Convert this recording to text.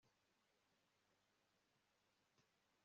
Umukobwa mwiza yicaye iruhande rwanjye